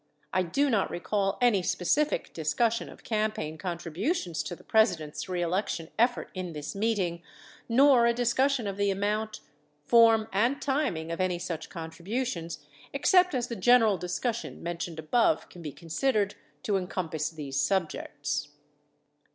I do not recall any specific discussion of campaign contributions to the President's reelection effort in this meeting, nor a discussion of the amount, form, and timing of any such contributions, except as the general dis cussion mentioned above can be considered to encompass these subjects.